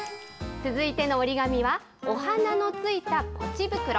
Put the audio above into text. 続いてはお花のついたポチ袋。